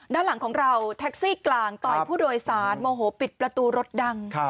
ด้านหลังของเราแท็กซี่กลางต่อยผู้โดยสารโมโหปิดประตูรถดัง